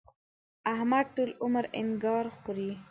احمد ټول عمر انګار خوري.